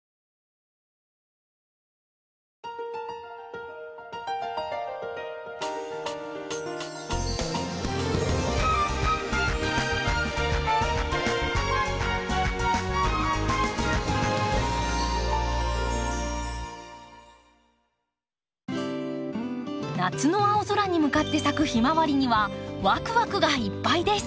夏の青空に向かって咲くヒマワリにはワクワクがいっぱいです。